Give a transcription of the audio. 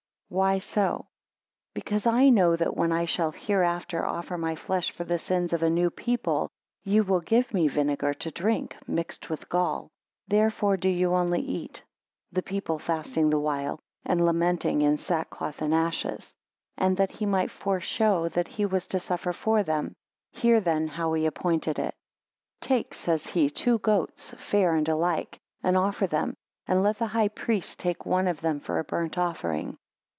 5 Why so? because I know that when I shall hereafter offer my flesh for the sins of a new people, ye will give me vinegar to drink mixed with gall; therefore do ye only eat, the people fasting the while, and lamenting in sackcloth and ashes. 6 And that he might foreshow that he was to suffer for them, hear then how he appointed it. 7 Take, says he, two goats, fair and alike, and offer them; and let the high priest take one of them for a burnt offering.